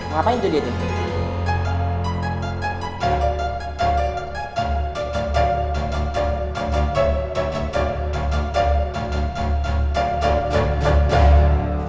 ngapain tuh dia tuh